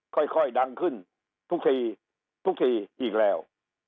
ค่อยดังขึ้นทุกทีทุกทีอีกแล้ว